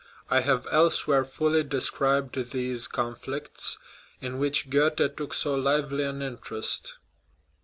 I have elsewhere fully described these conflicts, in which Goethe took so lively an interest.